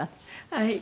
はい。